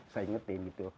saya terngetin gitu